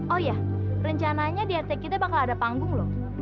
oh iya rencananya di attack kita bakal ada panggung loh